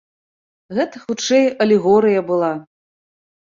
Гэта хутчэй алегорыя была.